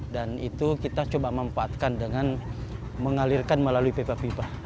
dan itu kita coba memanfaatkan dengan mengalirkan melalui pipa pipa